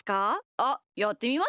あっやってみます？